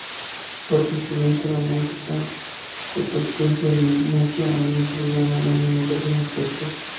Por consiguiente, Románica se parece mucho a Interlingua en múltiples aspectos.